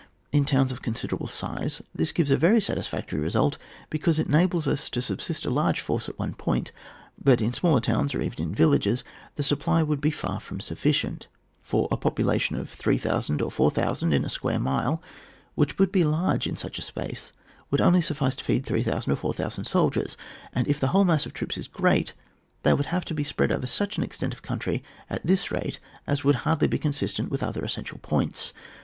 In towns of con siderable size this gives a very satis factory result, because it enables us to subsist a large force at one point. But in smaller towns, or even in villages, the supply would be far from sufficient ; for a population of 3,000 or 4,000 in a square mile which would be large in such a space, would only suffice to feed 3,000 or 4,000 soldiers, and if the whole mass of troops is great they would have to be spread over such an extent of country at this rate as would hardly be consistent with other essential points.